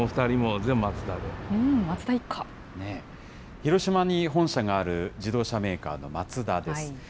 広島に本社がある自動車メーカーのマツダです。